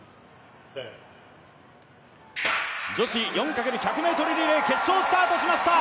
女子４×１００ｍリレースタートしました。